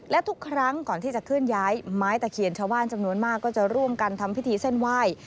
และทุกครั้งก่อนที่จะเคลื่อนย้ายไม้ตะเคียนชาวบ้านจำนวนมากก็จะร่วมกันทำพิธีเส้นไหว้